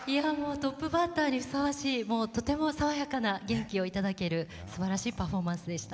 トップバッターにふさわしい、とても爽やかな元気をいただけるすばらしいパフォーマンスでした。